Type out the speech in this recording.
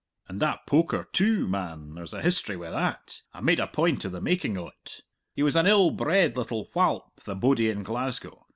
"And that poker, too; man, there's a history wi' that. I made a point of the making o't. He was an ill bred little whalp, the bodie in Glasgow.